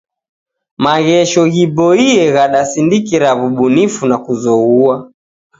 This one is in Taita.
Maghesho ghiboiye ghadasindikira wubunifu na kuzoghua.